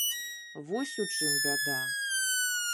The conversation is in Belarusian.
Вось у чым бяда.